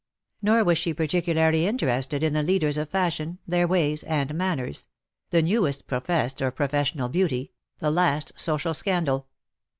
Nor was she particularly interested in the leaders of fashion^ their ways and manners — the newest professed or professional beauty — the last social scandal.